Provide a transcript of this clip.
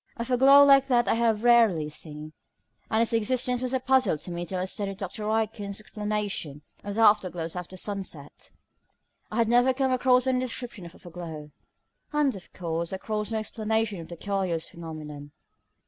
A foreglow like that I have very rarely seen, and its existence was a puzzle to me till I studied Dr. Aitken's explanation of the afterglows after sunset. I had never come across any description of a foreglow; and, of course, across no explanation of the curious phenomenon.